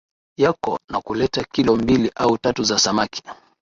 yako na kuleta kilo mbili au tatu za samaki